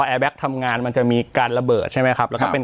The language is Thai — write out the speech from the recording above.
แอร์แก๊กทำงานมันจะมีการระเบิดใช่ไหมครับแล้วก็เป็น